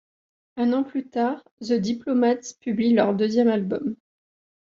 Un an plus tard, The Diplomats publient leur deuxième album, '.